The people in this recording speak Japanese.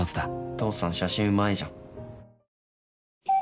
父さん写真うまいじゃん。